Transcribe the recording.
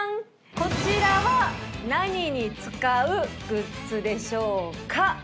こちらは何に使うグッズでしょうか？